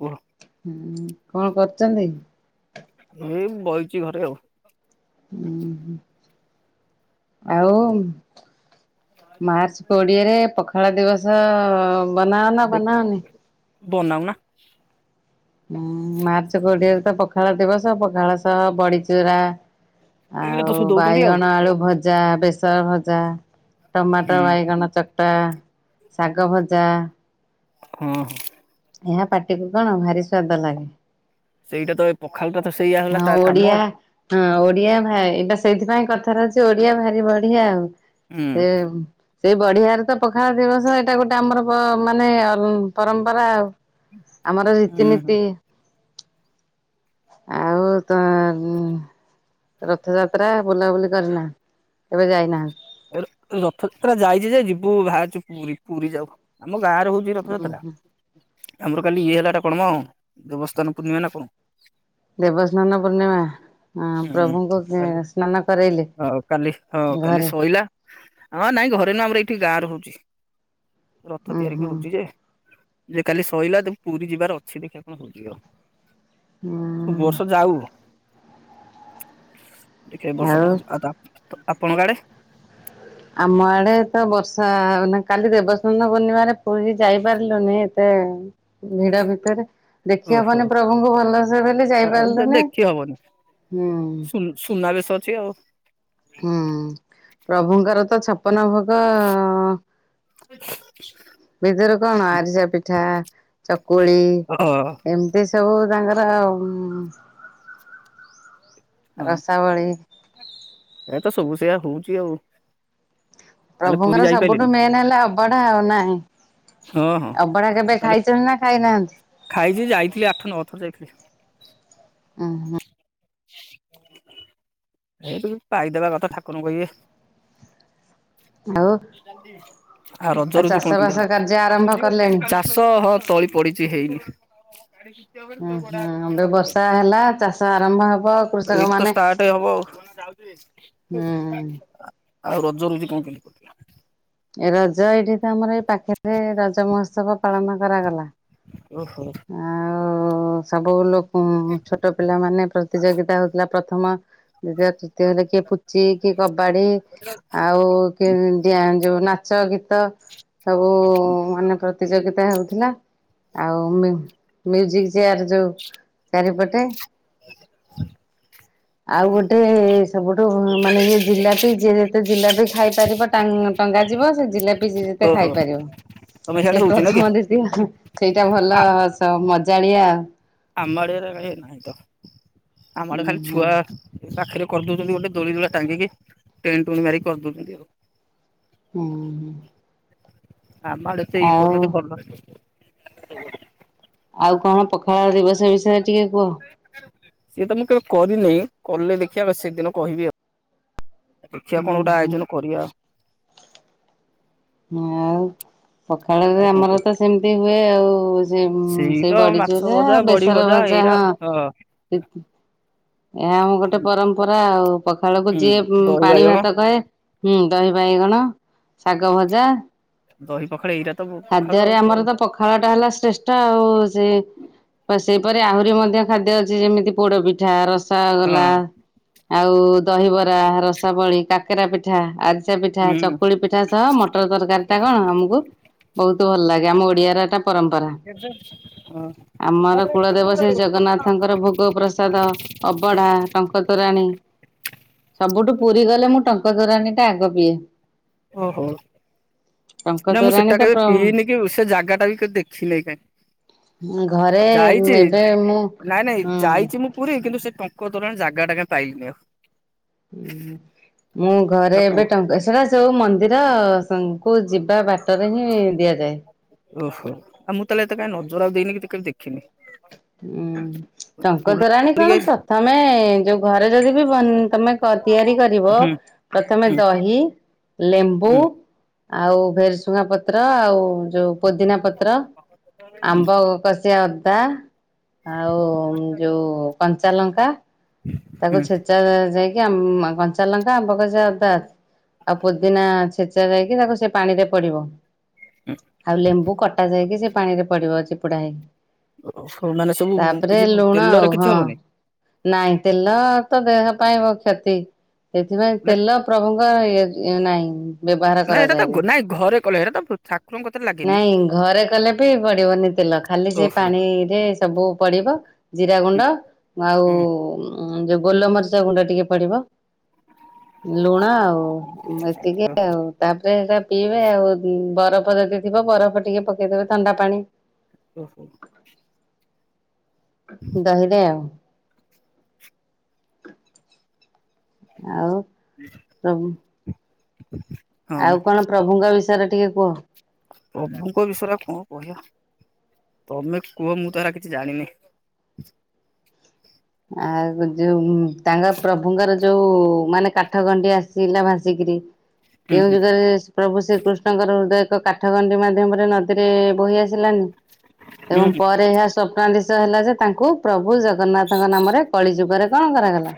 କୁହ ହୁଁ କଣ କରୁଛନ୍ତି? ମୁଁ ଏଇ ବହିଛି ଘରେ ଆଉ। ହୁଁ ହ ଆଉ ମାର୍ଚ୍ଚ କୋଡିଏରେ ପଖାଳ ଦିବସ ବନାଅନା ବନାନି? ବନାଉନା। ଉଁ ମାର୍ଚ୍ଚ କୋଡିଏରେ ତ ପଖାଳ ଦିବସ ପଖାଳ ସହ ବଡିଚୁରା। ଏଇଟା ଆଉ ତ ସବୁ ଦଉଛନ୍ତି ଆଉ ବାଇଗଣ ଆଳୁ ଭଜା ବେସର ଭଜା ଟମାଟୋ ବାଇଗଣ ଚ ଖଟା ଶାଗ ଭଜା ହଁ ହୋ ଏହା ପାଟିକୁୁ କଣ ଭାରି ସ୍ଵାଦ ଲାଗେ। ସେଇଟା ତ ପଖାଳ ଟା ତ ସେଇଆ। ହେଲା ହଁ, ତା କାମ ଓଡିଆ ହଁ ଓଡ଼ିଆ ଭ ଏଟା ସେଇଥିପାଇଁ କଥାରେ ଅଛି ଓଡ଼ିଆ ଭାରି ବଢ଼ିଆ ଆଉ। ହୁଁ ସେ ସେଇ ବଢ଼ିବାରେ ତ ପଖାଳ ଦିବସ ଏଇଟା ଗୋଟେ ଆମର ମାନେ ପରମ୍ପରା ଆଉ। [inaudible] ଆମର ରୀତି ହୁଁ ନୀତି ହୁଁ ଆଉ ତ [inaudible] [inaudible] [inaudible] [inaudible] [inaudible] ହୁଁ କାଲି ହଁ କାଲି ହଁ କାଲି [inaudible] ଉଁ [inaudible] ହୁଁ। [inaudible] [inaudible] [inaudible] ଆଉ [inaudible] [inaudible] ଓହୋ ଆ, ଦେ- ଦେଖି [inaudible] ହବନି ହୁଁ [inaudible] [inaudible] ହଁ [inaudible] [inaudible] ରସାବଳି [inaudible] ପୁରୀ ଯାଇପାରିଲିନି [inaudible] ହଁ ହଁ ଆ- ତାହେଲେ [inaudible] [inaudible] [inaudible] [inaudible] ଆଉ ଆଉ ଚାଷ ବାସ କାର୍ଯ୍ୟ [inaudible] ଆରମ୍ଭ କଲେଣି? [inaudible] [inaudible] ମାନେ ହୁଁ [inaudible] [inaudible] [inaudible] [inaudible] [inaudible] [inaudible] [inaudible] [inaudible] [inaudible] [inaudible] [inaudible] [inaudible] ଟଙ୍ଗ ଟଙ୍ଗା ଯିବ ସେ ଜିଲାପି ଯିଏ ଯେତେ ଖାଇପାରିବ। ତମ ସେ ସିଆଡେ ହୋଉଚି ନା କି। ପ୍ରଥମ ଦ୍ଵିତୀୟ ସେଇଟା ଭଲ ଆ- ମଜାଳିଆ। ଆମ ଆଡେ ଏରା କାଇ ନାହିଁ ତ ଆମ ଆଡେ ଖାଲି ହୁଁ ଖାଲି ହୁଁ ଛୁଆ ପାଖରେ କରିଦଉଛନ୍ତି ଗୋଟେ ଦୋଳି ଦୂଳା ଟାଙ୍ଗିକି ଟେନ ଟୁ ମାରିକି କରିଦଉଛନ୍ତି ଆଉ। ହୁଁ ହୁଁ। ଆମ ଆଡେ ଏତେ ଇଏ ଆଉ କରୁନାହାନ୍ତି ଭଲ। ଆଉ କଣ ପଖାଳ ଦିବସ ବିଷୟରେ ଟିକେ କୁହ। ସିଏ ତ ମୁଁ କେବେ କରିନେଇ କଲେ ଦେଖିବା ସେଦିନ କହିବି ଆଉ। ଦେଖିଆ ହୁଁ କଣ ଗୋଟେ ହୁଁ ଆୟୋଜନ କରିବା ଆଉ। ଆଉ ପଖାଳରେ ଆଉ କଣ ଆମର କୁହ। ତ ସେମତି ହୁଏ ଆଉ। ସେ ତ ସେଇ ମାଛ ବଡିଚୁରା, ଭଜା ବଡି ବେସର ଭଜା ଏଇରା ହଁ। ଏହା ଆମ ଗୋଟେ ପରମ୍ପରା ଆଉ ପଖାଳକୁ ହୁଁ ଯିଏ ଦହି ପାଣି ବାଇଗଣ ଭାତ କହେ। ହୁଁ, ଦହି ବାଇଗଣ, ଶାଗ ଭଜା। ଦହି ପଖାଳ ଏଇରା ତ ପଖାଳ ଆଉ ଖାଦ୍ୟରେ କଣ ଆମର ତ ପଖାଳଟା ହେଲା ଶ୍ରେଷ୍ଠ, ଆଉ ସେ ସେହିପରି ଆହୁରି ମଧ୍ୟ ଖାଦ୍ୟ ଅଛି, ଯେମିତି ପୋଡ଼ପିଠା ରସ ରସଗୋଲା ହଁ ଆଉ ଦହିବରା ରସାବଳି, କାକେରା ପିଠା, ଆ ସା ପିଠା, ହୁଁ। ଚକୁଳି ପିଠା ସହ ମଟର ତରକାରୀଟା କଣ, ଆମକୁ ବହୁତ ଭଲ ଲାଗେ, ଆମ ଓଡ଼ିଆର ଏଟା ପରମ୍ପରା [unintelligible] ଆମର କୁଳଦେବ ସେ ଜଗନ୍ନାଥଙ୍କର ଭୋଗପ୍ରସାଦ। ଅବଢ଼ା, ଟଙ୍କ ତୋରାଣୀ। ସବୁଠୁ ପୁରୀ ଗଲେ, ମୁଁ ଟଙ୍କ ତୋରାଣୀ ଟା ଆଗ ପିଏ। ଓହୋ, ଟଙ୍କ ନା ମୁଁ ତୋରାଣୀ ସେଟା ତ କେବେ ପ୍ର ପିଇନି, କି ସେ ଜାଗା ଟା ବି କେବେ ଦେଖିନି, କାଇଁ ଘରେ ଯାଇଚି, ଏବେ ମୁଁ ନାଇଁ, ନାଇଁ, ହଁ ଯାଇଚି ମୁଁ ପୁରୀ, କିନ୍ତୁ ସେ ଟଙ୍କ ତୋରଣୀ ଜାଗା ଟା କାହିଁ ପାଇଲିିନି, ଆଉ। ମୁଁ ଘରେ ଏରା ଏବେ କୁହ ଟଙ୍କ ସେରା ସଉ ମନ୍ଦିର କୁ ଯିବା ବାଟରେ ହିଁ ଦିଆଯାଏ। ଓହୋ, ଆଉ ମୁଁ ତାହେଲେ ଏତେ କାହିଁ ନଜର ଆଉ ଦେଇନି କି, ଟିକେ ଦେଖିନି। ଉଁ। ଟଙ୍କ ବୁଲା ତୋରାଣୀ କଣ, କରିକି ଆଇଛି ପ୍ରଥମେ ଯୋଉ, ଘରେ ଯଦି ବି ବନ ତମେ କ ତିଆରି କରିବ। ହୁଁ ପ୍ରଥମେ ହୁଁ। ଦହି, ଲେମ୍ବୁ ହୁଁ ଆଉ ଭେରସୁଙ୍ଗ ପତ୍ର, ଆଉ ଯୋଉ ପୋଦିନା ପତ୍ର, ହୁଁ ଆମ୍ବ କଷିଆ ଅଦା, ଆଉ ଯୋଉ କଞ୍ଚାଲଙ୍କା ତାକୁ ଛେଚା ଯାଇକି, ଆ କଞ୍ଚା ଲଙ୍କା, ଆମ୍ବକଷିଆ ଅଦା ଆଉ ପୋଦିନା ଛେଚା ଯାଇକି ତାକୁ ସେ ପାଣି ରେ ପଡିବ। ହୁଁ ଆଉ ଲେମ୍ବୁ କଟା ଯାଇକି, ସେ ପାଣି ରେ ପଡିବ, ଚିପୁଡା ହେଇ। ଓ ହୋ, ମାନେ ସବୁ କିଛି ଲୁଣ ଆଉ ତେଲରେ କିଛି ହଁ ହବନି। ନାଇଁ, ତେଲ ତ ଦେହ ପାଇଁ କ୍ଷତି, ସେଥିପାଇଁ ନା ତେଲ ପ୍ରଭୁ କ ଇଏ ଇଏ ନାହିଁ। ବ୍ୟବହାର ନାଇଁ, ଏଟା ତ କରାଯାଏ ନାହିଁ। ନାଇଁ, ଘରେ କଲେ, ହେରା ତ ଠା ନାଇଁ, ଘରେ କଲେ ବି ପଡିବନି ତେଲ, ଖାଲି ସେ ଓହୋ। ପାଣିରେ ସବୁ ପଡିବ। ଜିରା ହୁଁ ଗୁଣ୍ଡ ଆଉ ହୁଁ ଯଉ ଗୋଲମରିଚ ଗୁଣ୍ଡ ଟିକେ ପଡ଼ିବ, ଲୁଣ ଆଉ। ଏତିକି ଓହୋ ଆଉ, ତାପରେ ହେରା ପିଇବେ ଆଉ ବରଫ ଯଦି ଥିବ, ବରଫ ଟିକେ ପକେଇଦେବେ, ଥଣ୍ଡା ପାଣି ଓହୋ। ଦହିରେ ଆଉ। ଆଉ ପ୍ରଭୁ [inaudible] ଆଉ କଣ ପ୍ରଭୁଙ୍କ ବିଷୟରେ ଟିକେ କୁହ? ପ୍ରଭୁଙ୍କ ବିଷୟରେ ଆଉ କଣ କହିବା? ତୋମେ କୁହ ମୁଁ ତ ସେରା କିଛି ଜାଣିନି। ଆଉ ଯୋଉ ତାଙ୍କ ପ୍ରଭୁଙ୍କର ଯୋଉ ମାନେ କାଠ ଗଣ୍ଡି ଆସିଲା ଭାସିକିରି। [inaudible] କେଉଁ ଯୁଗରେ ପ୍ରଭୁ ଶ୍ରୀକୃଷ୍ଣଙ୍କର ହୃଦୟ ଏକ କାଠଗଣ୍ଡି ମାଧ୍ୟମରେ ନଦୀରେ ବହି ଆସିଲାନି। ହୁଁ ଏବଂ ହୁଁ ପରେ ଏହା ସ୍ୱପ୍ନାଦିଶ ହେଲା ଯେ, ତାଙ୍କୁ ପ୍ରଭୁ ଜଗନ୍ନାଥ ତାଙ୍କ ନାମରେ କଳି ଯୁଗରେ କଣ କରାଗଲା,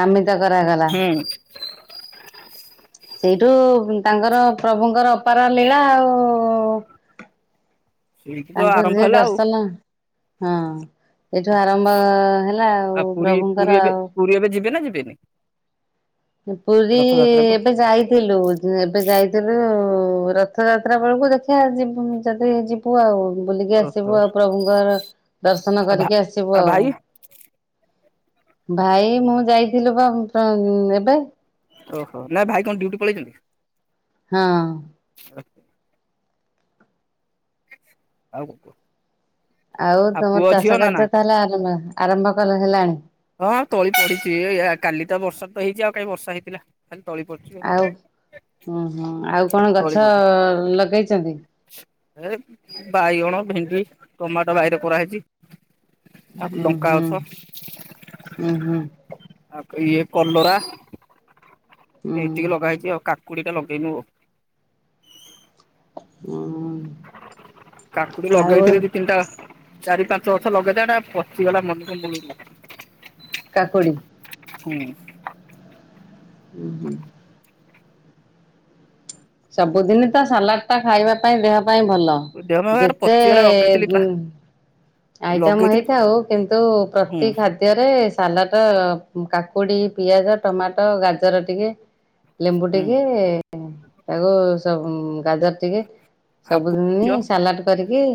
ନାମିତ କରାଗଲା। ହଁ। ସେଇଠୁ, ତାଙ୍କର ପ୍ରଭୁଙ୍କର ଅପାର ଲୀଳା ଆଉ। ସେଇଠୁ ତ ତାଙ୍କୁ ଆରମ୍ଭ ଯିଏ ହେଲା ଆଉ। ଦର୍ଶନ, ହଁ ଏଠୁ ଆରମ୍ଭ ହେଲା ଲା ଆଉ ପୁରୀ ପୁରୀ ପ୍ରଭୁଙ୍କର ଏବେ ଆଉ। ପୁରୀ ଏବେ ଯିବେ ନା ଯିବେନି? ମୁଁ ପୁରୀ ରଥଯାତ୍ରା କୁ ଏବେ ଯାଇ ଥିଲୁ, ଏବେ ଯାଇଥିଲୁ ଉ, ରଥଯାତ୍ରା ବେଳକୁ, ଦେଖିଆ ଯିବୁନି ଯଦି ଯିବ ବୁ ଆଉ ବୁଲିକି ଓହୋ ଆସିବୁ ଆଉ ପ୍ରଭୁଙ୍କର ଦର୍ଶନ ଆଉ ଭା କରିକି ଆସିବୁ ଆଉ। ଭାଇ ଭାଇ ମୁଁ ଯାଇଥିଲୁ ବା [unintelligible] ଏବେ। ଓହୋ, ନା ଭାଇ କଣ ଡିଉଟି ପଳେଇଚନ୍ତି? ହଁ। ଓକେ। ଆଉ କଣ କୁହ? ଆଉ ତୋମ ଚାଷ କାର୍ଯ୍ୟ ତାହଲେ ଆରମ୍ଭ ଆରମ୍ଭ କଲ- ହେଲାଣି? ହଁ ତଳି ପଡିଚି, ଏ ଏଆ, କାଲି ତ ବର୍ଷା ତ ହେଇଛି ଆଉ କାହିଁ ବର୍ଷା ହେଇଥିଲା। ଖାଲି ତଳି ପଡିଛି। ଆଉ ଅଁ, ହଁ ଆଉ କଣ ତଳି ଗଛ ପଡି ଲଗେଇଛନ୍ତି? ଏ ବାଇଗଣ, ଭେଣ୍ଡି, ଟମାଟୋ ବାହିରେ କରାହେଇଛି। ଆଉ ଉଁ, ଲଙ୍କା ହୁଁ ଗଛ ଉଁ, ହଁ। ଆଉ କ-ଇଏ କଲରା। ହୁଁ ଏଇତିକି ଲଗା ହେଇଛି ଆଉ କାକୁଡି ଟା ଲଗେଇନୁ ଓ। ଅଁ, ହଁ। କାକୁଡି ଲଗେଇଥିଲେ ଦି ତିନିଟା ଚାରି ପାଞ୍ଚ ଗଛ ଲଗେଇଚେ ସେଟା ପଚିଗଲା ମନୁ [inaudible] କାକୁଡ଼ି ହଁ। ହୁଁ, ହୁଁ। ସବୁଦିନ ତ ସାଲାଡ ଟା ଖାଇବା ପାଇଁ ଦେହ ପାଇଁ ଭଲ। ଦେହ ପାର ଯେତେ ପଚିଗଲା ଲଗେଇଥିଲି ପା ଗୁଁ ଆଇଟମ୍ ଲଗେଇଥିଲି ପା ହେଇଥାଉ କିନ୍ତୁ ହୁଁ ପ୍ରତି ଖାଦ ତୀୟରେ ସାଲାଡଟ ଉଁ, କାକୁଡ଼ି, ପିଆଜ, ଟମାଟୋ, ଗାଜର ଟିକେ ଲେମ୍ବୁ ହୁଁ ଟିକେ ତାକୁ ସ-ଉଁ, ଗାଜର ଟିକେ ଆଉ ପୁଅ ସବୁଦିନି ଝିଅ ସାଲାଡ କରିକି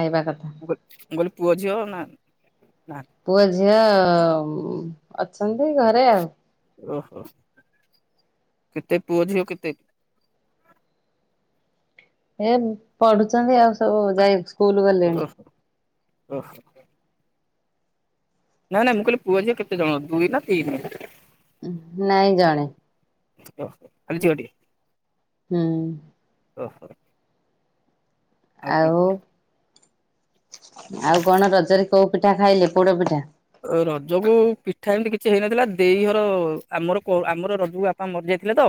ଖାଇବା କଥା। ମୁଁ କଲି ମୁଁ କହିଲି ପୁଅ ଝିଅ ନା ନାହା ପୁଅ ଝିଅ ଅଛନ୍ତି ଘରେ ଆଉ ଓହୋ କେତେ ପୁଅ ଝିଅ କେତେ? ଏ ପଢୁଛନ୍ତି ଆଉ ସବୁ ଯାଇ ସ୍କୁଲ ଗଲେଣି ଓ ଓ। ନାଇଁ ନାଇ ମୁଁ କହିଲେ ପୁଅ ଝିଅ କେତେ ଜଣ ଦୁଇ ନା ତିନି? ନାଇଁ ଜଣେ। ଖାଲି ଝିଅଟି। ହୁଁ। ଓ ହୋ। ଆଉ ଆଉ କଣ ରଜରେ କୋଉ ପିଠା ଖାଇଲେ ପୋଡ଼ ପିଠା। ରଜକୁ ପିଠା ଏମିତି କିଛି ହେଇନଥିଲା ଦେଇ ଘର ଆମର ଆମର ରଜକୁ ବାପା ମରିଯାଇଥିଲେ ତ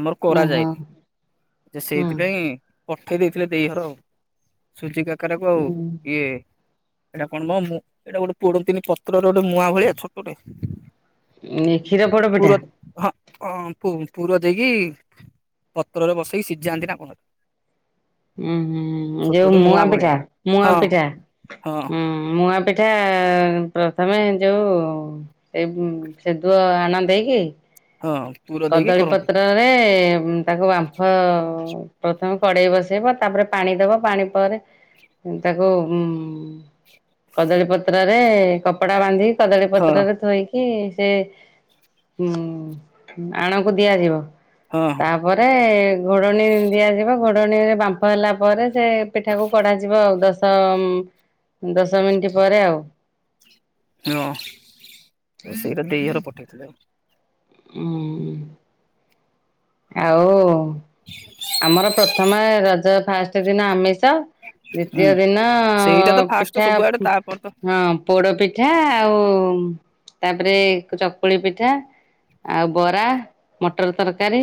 ଆମର ଓହୋ କରାଯାଏନି ସେଇଥିପାଇଁ ଉଁ ପଠେଇ ଦେଇଥିଲେ ଦେଇ ଘର ଆ ସୁଜି କାକରାକୁ ଆଉ ଇଏ ଏଇଟା କଣ କ ମୁ ଏଇଟା ଗୋଟେ ପୋଡନ୍ତିନି ପତ୍ରର ଗୋଟେ ମୁଆଁ ଭଳିଆ ଛୋଟଟେ ଏ କ୍ଷୀର ପୋଡ ପୁର ପିଠା। ହଁ ହଁ ପୁର ଦେଇକି ପତ୍ରରେ ବସେଇକି ସିଝିଯାଆନ୍ତି ନା କଣ? ହୁଁ ହୁଁ ଯୋଉ ଛୋଟଟେ ମୁଆ ମୁଆଁ ପିଠା ଭଳିଆ ମୁଆ ହଁ ପିଠା ହଁ ହୁଁ। ମୁଆ ପିଠା ପ୍ରଥମେ ଯୋଉ ଏଇ ସେଦୁଅ ଆଣ ଦେଇକି ହଁ। ପୁର ଦେଇକି କଦଳୀ କରନ୍ତି ପତ୍ର ତାକୁ ବାମ୍ଫ ପ୍ରଥମେ କଡେଇ ବସେଇବ ତାପରେ ପାଣି ଦବ ପାଣି ପରେ ତାକୁ ଉଁ କଦଳୀ ପତ୍ରରେ କପଡା ବାନ୍ଧି କଦଳୀ ହଁ ପତ୍ରରେ ଥୋଇକି ସେ ଆଣକୁ ଦିଆଯିବ ହଁ ତା ତା ପରେ ଘୋଡ଼ଣୀ ଦିଆଯିବ ଘୋଡ଼ଣୀରେ ବାମ୍ପ ହେଲା ପରେ ସେ ପେ ସେଠାକୁ କଢା ଯିବ ଆଉ ଦଶ ଦଶ ମିନିଟ ପରେ ଆଉ ହଁ ସେଇଟା ଦେଇ ଘର ପଠେଇଥିଲେ। ହଁ। ଆଉ ଆମର ପ୍ରଥମା ରଜ ଫାଷ୍ଟ ଦିନ ଆମିଷ। ହୁଁ ଦ୍ଵିତୀୟ ଦିନ ସେଇଟା ତ ଫାଷ୍ଟ ପିଠା ସବୁଆଡେ ତାପରେ ତ ହଁ। ପୋଡ ପିଠା ଆଉ ତାପରେ ଚକୁଳି ପିଠା। ଆଉ ବରା ମଟର ତରକାରୀ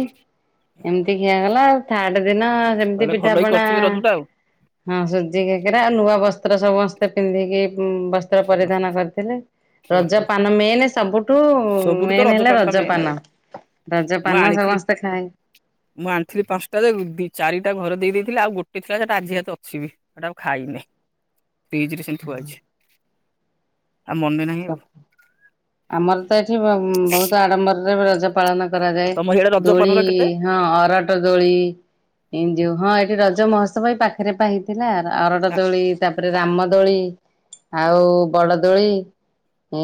ଏମିତି ଖିଆଗଲା। ଥାଡ ଦିନ ସେମିତି ତାହେଲେ ଭଲ କି ପିଠାପଣା କରିଥିବେ ରଜ ଟା ଆଉ। ହଁ ସୁଜି କାକରା ନୂଆ ବସ୍ତ୍ର ସମସ୍ତେ ପିନ୍ଧିକି ବସ୍ତ୍ର ପରିଧାନ କରିଥିଲେ। ଓହୋ ରଜପାନ ମେନ୍ ସବୁଠୁ ସବୁଠୁ ତ ମେନ୍ ହେଲା ଟା ମେନ୍ ଆଉ ରଜପାନ। ରଜ ମୁଁ ପାନ ଆଣିଥିଲି ସମସ୍ତେ ଖାଏ। ମୁଁ ଆଣିଥିଲି ପାଞ୍ଚଟା ଚାରିଟା ଘର ଦେଇଦେଇଥିଲି ଆଉ ଗୋଟେ ଥିଲା ସେଟା ଆଜି ହାତ ଅଛିିବି। ସେଇଟା ଆଉ ଖାଇନି ଫ୍ରିଜରେ ସେମିତି ଥୁଆ ଅଛି। ଆଉ ମନେ ନାହିଁ। ଆଉ ଆମର ତ ଏଠି ବହୁତ ଆଡମ୍ବରରେ ରଜ ପାଳନ କରାଯାଏ ତମ ହିଆଡେ ରଜପାନର କେତେ? ଦୋଳି- ହଁ ଅରଟ ଦୋଳି ଏଇ ଯୋଉ ହଁ ଏଇଠି ରଜ ମହୋତ୍ସବ ଏଇ ପାଖରେ ପା ହେଇଥିଲା। ଅରଟ ଦୋଳି, ତାପରେ ରାମଦୋଳି, ଆଉ ବଡ଼ଦୋଳି ହୁଁ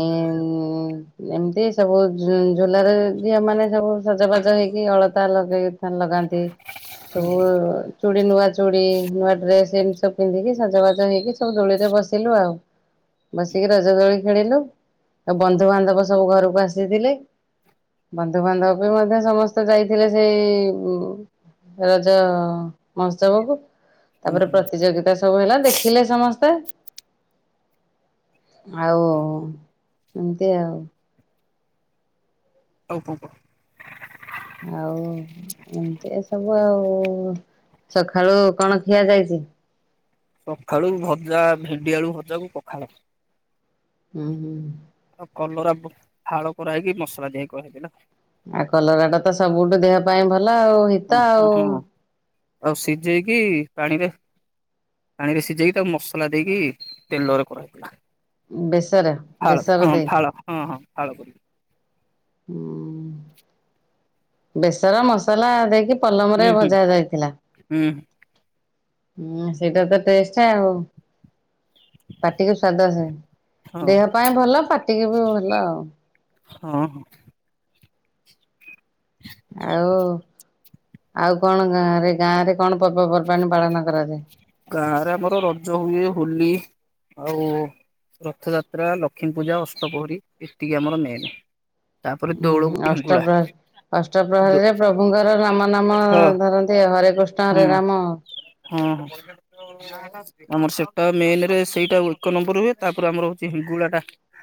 ଉଁ ଏମିତି ସବୁ ଝୁଲାରେ, ଝିଅ ମାନେ ସବୁ ସଜବାଜ ହେଇକି, ଅଳତା ଲଗେଇ ଫ୍ୟାନ ଲଗାନ୍ତି, ସବୁ ଚୁଡ଼ି, ନୂଆ ଚୁଡ଼ି, ନୂଆ ଡ୍ରେସ, ଏମିତି ସବୁ ପିନ୍ଧିକି, ସଜବାଜ ହେଇକି ସବୁ ଦୋଳିରେ ବସିଲୁ ଆଉ। [inaudible] ବସିକି ରଜ ଦୋଳି ଖେଳିଲୁ, ଆଉ ବନ୍ଧୁବାନ୍ଧବ ସବୁ ଘରକୁ ଆସିଥିଲେ। ବନ୍ଧୁବାନ୍ଧବ ବି ମଧ୍ୟ ସମସ୍ତେ ଯାଇଥିଲେ ସେଇ ବୁ ରଜ ମହୋତ୍ସବ କୁ, ଉଁ ତାପରେ ହୁଁ ପ୍ରତିଯୋଗିତା ସବୁ ହେଲା, ଦେଖିଲେ ସମସ୍ତେ। ଆଉ, ଏମିତି ଆଉ। ଆଉ କଣ କହ? ଆଉ, ଏମତି ଏ ସବୁ ଆଉ। ସକାଳୁ କଣ ଖିଆ ଯାଇଚି? ସଖାଳୁ ଭଜା, ଭେଣ୍ଡି ଆଳୁ ଭଜା କୁ ପଖାଳ। ହୁଁ ହୁଁ ହୁଁ। ଆଉ କଲରା ଫାଳ କରାହେଇକି, ମସଲା ଦିଆ ହେଇକି କରାହେଇଥିଲା। ଆଉ କଲରା ଟା ତ, ସବୁଠୁ ଦେହ ପାଇଁ ଭଲ ଆଉ। ହିତ ଓ ହ ଆଉ। ହଁ, ଆଉ ସିଜେଇକି ପାଣିରେ ପାଣିରେ ସିଜେଇକି, ତାକୁ ମସଲା ଦେଇକି, ତେଲରେ କରା ହେଇଥିଲା। ବେସର ଫାଳ ବେସର ହଁ, ଦେଇକି ଫାଳ, ହଁ ହଁ, ଫାଳ କରିକି। ଉଁ ବେସର, ମସଲା ଦେଇକି, ହୁଁ ପଲମରେ ହୁଁ ଭଜା ଯାଇଥିଲା। ହୁଁ ହୁଁ, ସେଇଟା ତ ଟେଷ୍ଟ ଆଉ। ପାଟିକୁ ସ୍ଵାଦସେ, ହଁ ଦେହ ପାଇଁ ଭଲ, ପାଟିକି ବି ଭଲ ଆଉ। ହଁ ହଁ। [unintelligible] ଆଉ, ଆଉ କଣ ଗାଁରେ, ଗାଁରେ କଣ ପର୍ବପର୍ବାଣି ପାଳନ କରାଯାଏ? ଗାଁ ରେ ଆମର ରଜ ହୁଏ, ହୋଲି ଆଉ ରଥଯାତ୍ରା, ଲକ୍ଷ୍ମୀ ପୂଜା, ଅଷ୍ଟପୋହରୀ, ଏତିକି ଆମର ମେନ୍। ତାପରେ ଦୋଳକୁ, ହେଙ୍ଗୁଳା। ଅଷ୍ଟ ପ୍ର୍ରହରୀରେ ପ୍ରଭୁଙ୍କର ରାମ ନାମ ହଁ ଧରନ୍ତି ଆଉ, ହରେ କୃଷ୍ଣ ହରେ ରାମ। ହୁଁ ହୁଁ। ଆମର ସେଟା ମେନ ରେ ସେଇଟା ଏକ ନମ୍ବର ହୁଏ, ତାପରେ ଆମର ହଉଛି ହିଙ୍ଗୁଳା ଟା